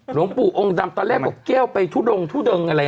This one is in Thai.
หลวงปู่องค์ดำตอนแรกบอกแก้วไปทุดงทุดงอะไร